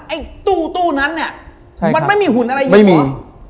ไอ้ตู้นั้นเนี่ยมันไม่มีหุ่นอะไรอย่างนี้เหรอ